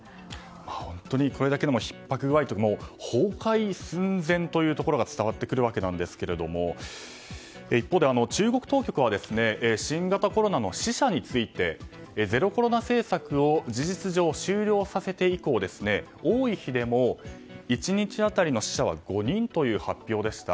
本当にこれだけでもひっ迫具合というか崩壊寸前ということが伝わってくるわけですが一方で中国当局は新型コロナの死者についてゼロコロナ政策を事実上、終了させて以降多い日でも１日当たりの死者は５人という発表でした。